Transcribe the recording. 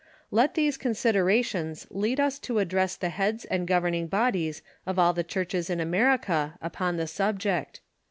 Let these considerations lead us to address the heads and gov erning bodies of all the churches in America upon the subject.